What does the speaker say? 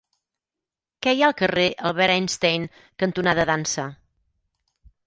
Què hi ha al carrer Albert Einstein cantonada Dansa?